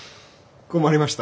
困りました。